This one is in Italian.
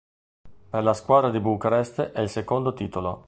Per la squadra di Bucarest è il secondo titolo.